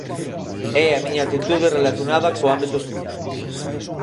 É a miña actitude relacionada co ámbito social.